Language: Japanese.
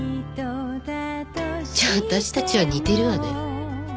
じゃあ私たちは似てるわね。